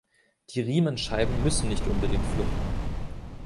Die Riemenscheiben müssen nicht unbedingt fluchten.